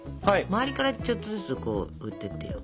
周りからちょっとずつ振ってってよ。